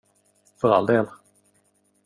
För all del.